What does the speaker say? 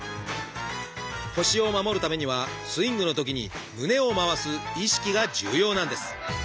腰を守るためにはスイングのときに胸を回す意識が重要なんです！